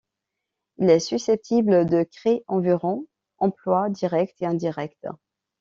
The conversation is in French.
Il est susceptible de créer environ emplois directs et indirects.